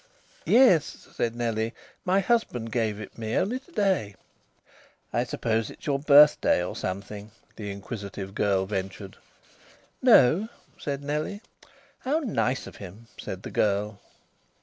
"Yes," said Nellie. "My husband gave it me only to day." "I suppose it's your birthday or something," the inquisitive girl ventured. "No," said Nellie. "How nice of him!" said the girl.